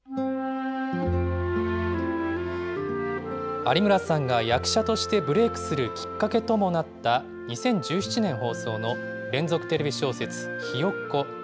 有村さんが役者としてブレークするきっかけともなった、２０１７年放送の連続テレビ小説、ひよっこ。